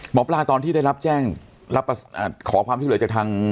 หมอปลาตอนที่ได้รับแจ้งขอความช่วยเหลือจากทาง